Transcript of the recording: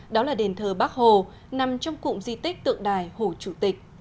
đó là đền thờ bắc hồ nằm trong cụm di tích tượng đài hồ chủ tịch